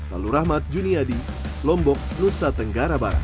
lalu rahmat juniadi lombok nusa tenggara barat